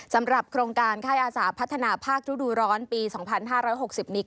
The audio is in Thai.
สำหรับโครงการค่ายอาสาพัฒนาภาคฤดูร้อนปี๒๕๖๐นี้